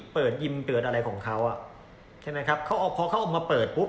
ยิมเตือนอะไรของเขาอ่ะใช่ไหมครับเขาเอาพอเขาออกมาเปิดปุ๊บ